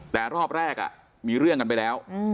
แต่รอบแรกมีเรื่องกันไปแล้ว